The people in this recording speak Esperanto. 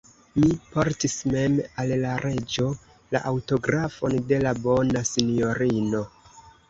Mi portis mem al la reĝo la aŭtografon de la bona sinjorino.